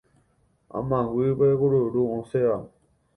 Amangýpe kururu osẽva